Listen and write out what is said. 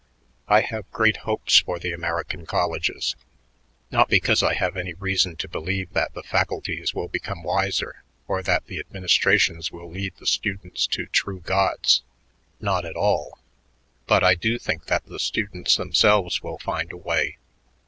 I have great hopes for the American colleges, not because I have any reason to believe that the faculties will become wiser or that the administrations will lead the students to true gods; not at all, but I do think that the students themselves will find a way.